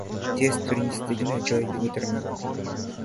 • Tez turgiziladigan joyga o‘tirma.